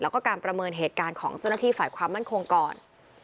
แล้วก็การประเมินเหตุการณ์ของเจ้าหน้าที่ฝ่ายความมั่นคงก่อน